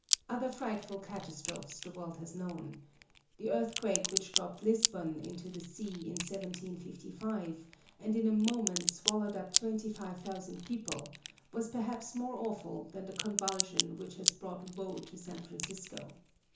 Other frightful catastrophes the world has known. The earthquake which dropped Lisbon into the sea in 1755, and in a moment swallowed up twenty five thousand people, was perhaps more awful than the convulsion which has brought woe to San Francisco.